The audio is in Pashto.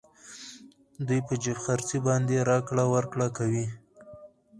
دوی په جېب خرچې باندې راکړه ورکړه کوي